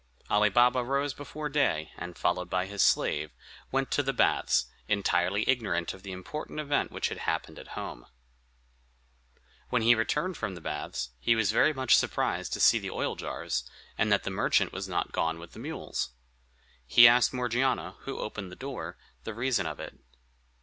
Ali Baba rose before day, and, followed by his slave, went to the baths, entirely ignorant of the important event which had happened at home. When he returned from the baths, he was very much surprised to see the oil jars, and that the merchant was not gone with the mules. He asked Morgiana, who opened the door, the reason of it.